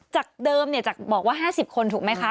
จากเดิมจากบอกว่า๕๐คนถูกไหมคะ